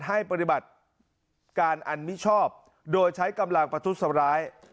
ให้ปฏิบัติการอันมิชอบโดยใช้กำลังประทุษร้าย